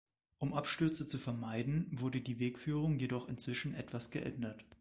Um Abstürze zu vermeiden, wurde die Wegführung jedoch inzwischen etwas geändert.